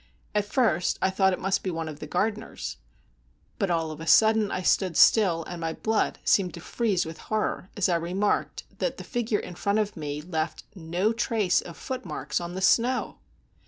At first I thought it must be one of the gardeners, but all of a sudden I stood still, and my blood seemed to freeze with horror, as I remarked that the figure in front of me left no trace of footmarks on the snow!